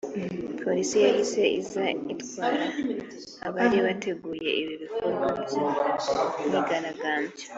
polisi yahise iza itwara abari bateguye ibi bikorwa by’imyigaragambyo